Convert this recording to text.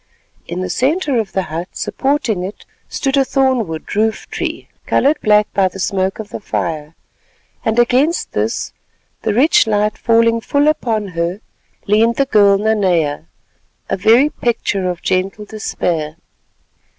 In the centre of the hut—supporting it—stood a thorn wood roof tree coloured black by the smoke of the fire; and against this, the rich light falling full upon her, leaned the girl Nanea—a very picture of gentle despair.